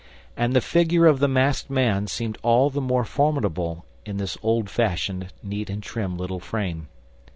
And the figure of the masked man seemed all the more formidable in this old fashioned, neat and trim little frame.